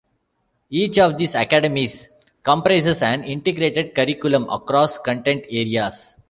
Each of these academies comprises an integrated curriculum across content areas.